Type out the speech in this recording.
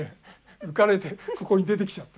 浮かれてここに出てきちゃった。